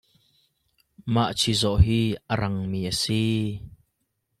Mah chizawh hi a rang mi a si.